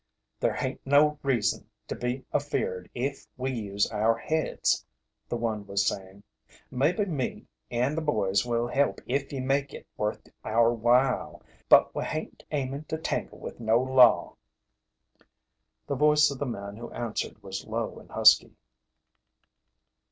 "There hain't no reason to be afeared if we use our heads," the one was saying. "Maybe me and the boys will help if ye make it worth our while, but we hain't aimin' to tangle with no law." The voice of the man who answered was low and husky.